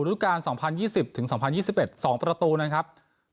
นุฐกาล๒๐๒๐๒๐๒๑สองประตูนะครับ